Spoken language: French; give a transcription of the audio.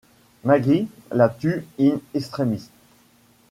Maggie la tue in extremis.